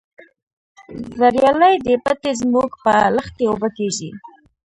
زریالي دي پټی زموږ په لښتي اوبه کیږي.